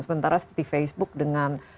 sementara seperti facebook dengan